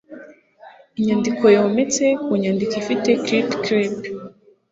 inyandiko yometse ku nyandiko ifite clip clip